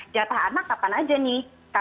jatah anak kapan aja nih